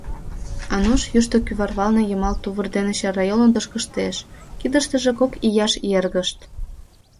Ануш йӱштӧ кӱварвалне йымал тувыр дене чарайолын тошкыштеш, кидыштыже кок ияш эргышт.